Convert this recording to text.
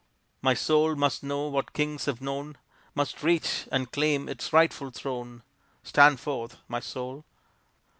My soul must know what kings have known. Must reach and claim its rightful throne Stand forth, my soul!